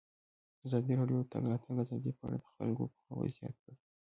ازادي راډیو د د تګ راتګ ازادي په اړه د خلکو پوهاوی زیات کړی.